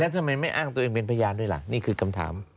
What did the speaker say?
ทำไมไม่อ้างตัวเองเป็นพยานด้วยล่ะนี่คือคำถาม